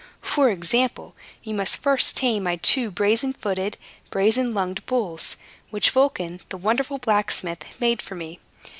For example, you must first tame my two brazen footed and brazen lunged bulls, which Vulcan, the wonderful blacksmith, made for me.